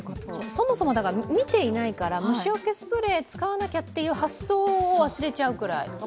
そもそも見ていないから虫よけスプレー使わなきゃという発想を忘れちゃうくらい。